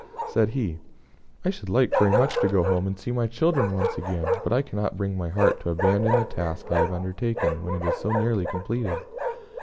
Said he: "I should like very much to go home and see my children once again, but I cannot bring my heart to abandon the task I have undertaken, when it is so nearly completed.